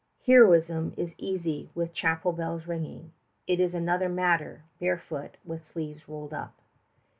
Heroism is easy with chapel bells ringing; it is another matter, barefoot and with sleeves rolled up.